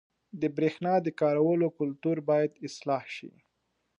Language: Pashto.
• د برېښنا د کارولو کلتور باید اصلاح شي.